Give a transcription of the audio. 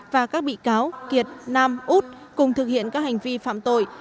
và các bị cáo kiệt nam út cùng thực hiện các hành vi phạm tội